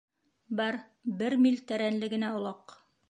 — Бар, бер миль тәрәнлегенә олаҡ.